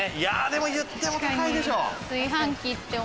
でも言っても高いでしょ？